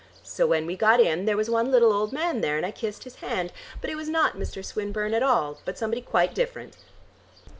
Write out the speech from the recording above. So when we got in, there was one little old man there, and I kissed his hand; but it was not Mr. Swinburne at all, but somebody quite different."